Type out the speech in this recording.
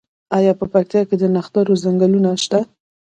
آیا په پکتیا کې د نښترو ځنګلونه شته؟